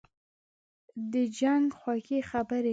« د جنګ خوږې خبري